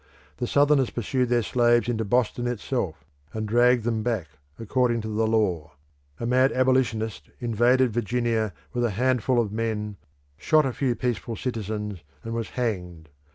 The Southerners pursued their slaves into Boston itself, and dragged them back, according to the law. A mad abolitionist invaded Virginia with a handful of men, shot a few peaceful citizens, and was hanged.